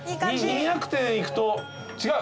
２００点いくと違う。